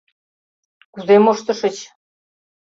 Кузе моштышыч?